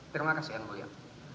terima kasih en boyang